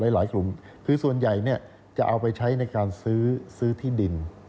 หลายกลุ่มคือส่วนใหญ่เนี่ยจะเอาไปใช้ในการซื้อที่ดิน